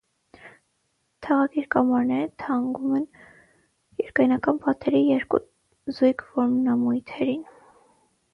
Թաղակիր կամարները հանգում են երկայնական պատերի երկու զույգ որմնամույթերին։